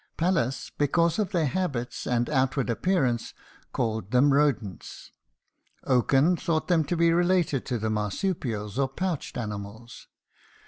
Pallas, because of their habits and outward appearance, called them rodents. Oken thought them to be related to the marsupials, or pouched animals.